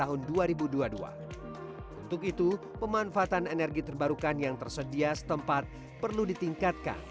untuk itu pemanfaatan energi terbarukan yang tersedia setempat perlu ditingkatkan